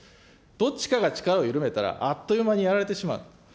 どっちかが力を緩めたら、あっという間にやられてしまう。